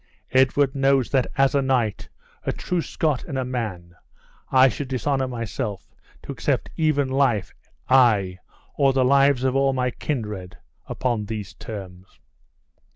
Edward knows that as a knight, a true Scot, and a man, I should dishonor myself to accept even life, ay, or the lives of all my kindred, upon these terms."